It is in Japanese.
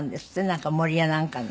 なんか森やなんかが。